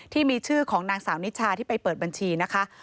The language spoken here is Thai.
ที่มีชื่อของนางสาวนิชาที่ไปเปิดบัญชีนะคะ